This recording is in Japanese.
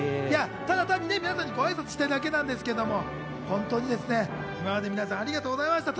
ただ単に皆さんにご挨拶したいだけなんでございますけど、本当に今まで皆さん、ありがとうございました。